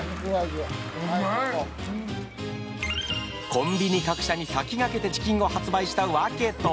コンビニ各社に先駆けてチキンを発売した訳とは？